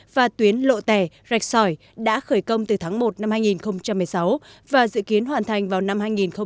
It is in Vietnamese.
và tuyến lộ tẻ rạch sỏi đã khởi công từ tháng một năm hai nghìn một mươi sáu và dự kiến hoàn thành vào năm hai nghìn hai mươi